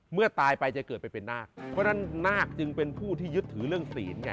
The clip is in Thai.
เมื่อตายไปจะเกิดไปเป็นนาคเพราะฉะนั้นนาคจึงเป็นผู้ที่ยึดถือเรื่องศีลไง